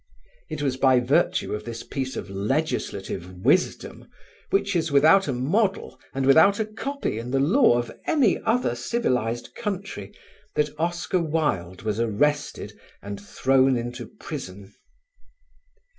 It was by virtue of this piece of legislative wisdom, which is without a model and without a copy in the law of any other civilised country, that Oscar Wilde was arrested and thrown into prison.